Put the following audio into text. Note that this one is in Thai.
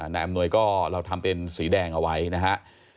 นายอำนวยก็เราทำเป็นสีแดงเอาไว้นะครับ